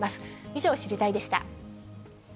以上、知りたいッ！でした。